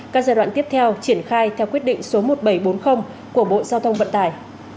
các giai đoạn tiếp theo triển khai theo quyết định số một nghìn bảy trăm bốn mươi của bộ giao thông vận tải